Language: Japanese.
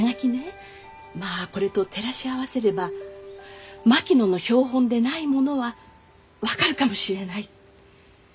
まあこれと照らし合わせれば槙野の標本でないものは分かるかもしれない。